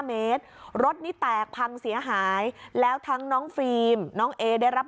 เมตรรถนี่แตกพังเสียหายแล้วทั้งน้องฟิล์มน้องเอได้รับ